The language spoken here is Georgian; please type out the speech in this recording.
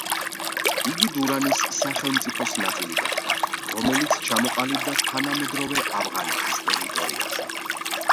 იგი დურანის სახელმწიფოს ნაწილი გახდა, რომელიც ჩამოყალიბდა თანამედროვე ავღანეთის ტერიტორიაზე.